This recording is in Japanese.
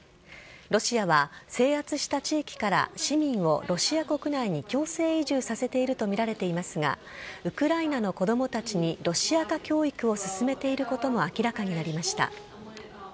ロシアは制圧した地域から市民をロシア国内に強制移住させているとみられていますがウクライナの子供たちにロシア化教育を進めていることも明らかになりました。